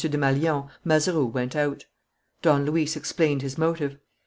Desmalions, Mazeroux went out. Don Luis explained his motive.